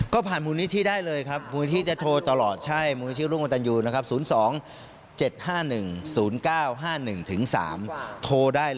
ก็ผ่านมูลนิธิได้เลยครับมูลนิธิจะโทรตลอด